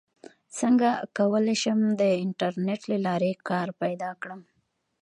څنګه کولی شم د انټرنیټ له لارې کار پیدا کړم